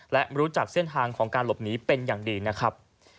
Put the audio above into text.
และรู้จักเส้นทางของการหลบหนีเป็นอย่างดีนะครับ